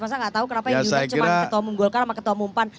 mas arief enggak tahu kenapa yang diundang cuma ketua umum golkar sama ketua mumpan